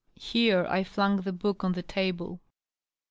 Here I flung the book on the table.